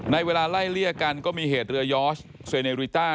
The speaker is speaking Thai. ในเวลาไล่เลี่ยร์กันมีเหตุรย้อยอจเซเนริต้า